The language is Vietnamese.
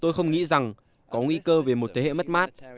tôi không nghĩ rằng có nguy cơ về một thế hệ mất mát